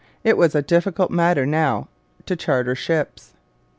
It was a difficult matter now to charter ships.